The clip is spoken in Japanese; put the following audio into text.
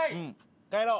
帰ろう！